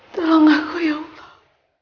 tolong aku ya allah